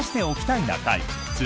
「話しておきたいな会」。